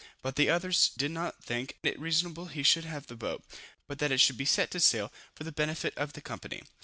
But the others did not think it reasonable he should have the boat, but that it should be set to sale for the benefit of the company.